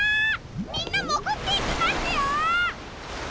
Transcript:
みんなもぐっていきますよ！